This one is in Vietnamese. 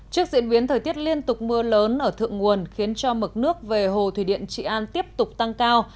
trước diễn biến thời tiết liên tục mưa lớn ở thượng nguồn khiến cho mực nước về hồ thủy điện trị an tiếp tục tăng cao